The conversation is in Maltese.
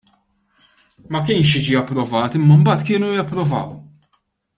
Ma kienx jiġi approvat imma mbagħad kienu japprovaw.